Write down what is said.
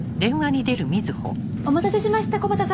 お待たせしました木幡様。